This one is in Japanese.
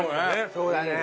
そうだね。